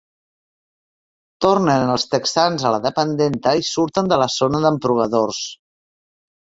Tornen els texans a la dependenta i surten de la zona d'emprovadors.